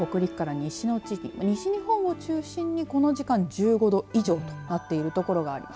西の地域、西中心に、このほかこの時間１５度以上となっている所があります。